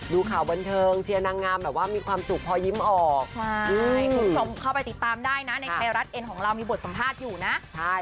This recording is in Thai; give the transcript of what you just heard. ดูข่าวบันเทิงเชียร์นางงามแบบว่ามีความสุขพอยิ้มออกใช่คุณผู้ชมเข้าไปติดตามได้นะในไทยรัฐเอ็นของเรามีบทสัมภาษณ์อยู่นะ